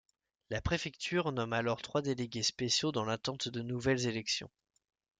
La préfecture nomme alors trois délégués spéciaux dans l’attente de nouvelles élections.